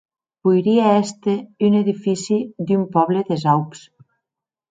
Poirie èster un edifici d'un pòble des Aups.